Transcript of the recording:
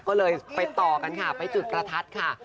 ก็เลยไปต่อกันค่ะไปจุดประทัดค่ะ